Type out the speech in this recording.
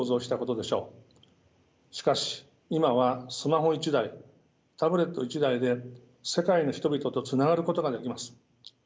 しかし今はスマホ１台タブレット１台で世界の人々とつながることができます。